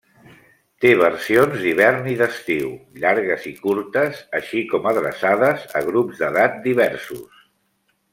Té versions d'hivern i d'estiu, llargues i curtes, així com adreçades a grups d'edat diversos.